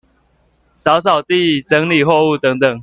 掃掃地、整理貨物等等